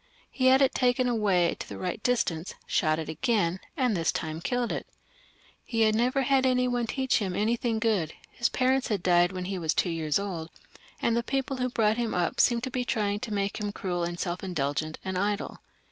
He had it taken away to the right distance, shot at it again, and this time killed it He had never had any one to teach him anything good ; his parents had died when he was two years old, and the people who brought him up seemed to be trjdng to make him cruel and self indulgent and idle.